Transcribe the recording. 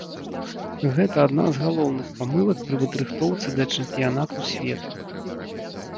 Гэта адна з галоўных памылак пры падрыхтоўцы да чэмпіянату свету.